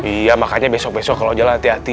iya makanya besok besok kalau jalan hati hati